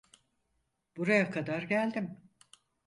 Buraya kadar geldim.